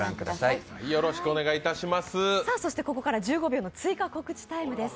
ここから１５秒の追加告知タイムです。